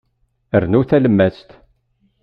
Rnu talemmast.